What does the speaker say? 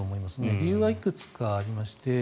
理由はいくつかありまして